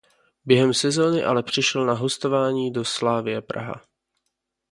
Během sezóny ale přešel na hostování do Slavie Praha.